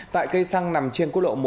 tại cây xăng nằm trên quốc lộ một